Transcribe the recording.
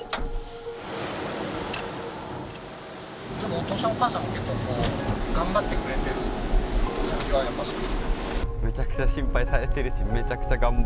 お父さん、お母さん頑張ってくれてる感じはする？